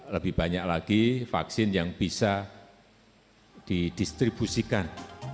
lebih banyak lagi vaksin yang bisa didistribusikan